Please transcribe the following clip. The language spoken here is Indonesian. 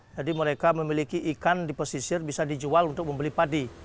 jadi mereka memiliki ikan di pesisir bisa dijual untuk membeli padi